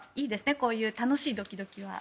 こういう楽しいドキドキは。